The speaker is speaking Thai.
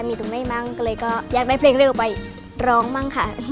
มีตรงนี้มั้งเลยก็อยากได้เพลงเร็วไปร้องมั้งค่ะ